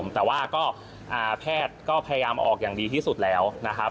แต่ว่าก็แพทย์ก็พยายามออกอย่างดีที่สุดแล้วนะครับ